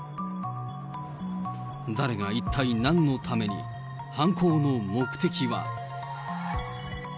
誰が一体なんのために、犯行の目的は。